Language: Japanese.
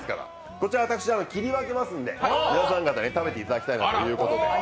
こちら私、切り分けますので皆さん方で食べていただきたいと。